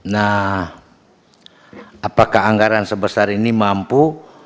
nah apakah anggaran sebesar ini mampu